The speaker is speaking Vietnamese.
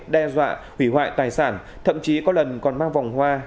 đe dọa hủy hoại tài sản thậm chí có lần còn mang vòng hoa